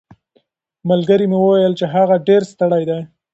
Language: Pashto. ملګري مې وویل چې هغه ډېر ستړی دی.